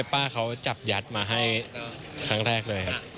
ป้าเขาจับยัดมาให้ครั้งแรกเลยครับ